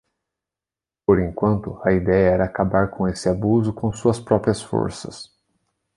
Por enquanto, a ideia era acabar com esse abuso com suas próprias forças.